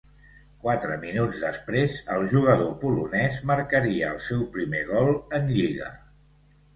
Quatre minuts després el jugador polonès marcaria el seu primer gol en lliga.